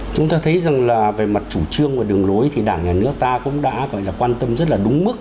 chúng ta thấy rằng là về mặt chủ trương và đường lối thì đảng nhà nước ta cũng đã gọi là quan tâm rất là đúng mức